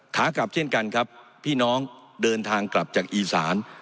ขากลับเช่นกันครับพี่น้องเดินทางกลับจากอีสาน